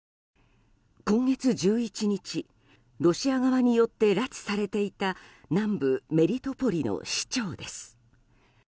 今月１１日、ロシア側によって拉致されていた南部メリトポリの市長です。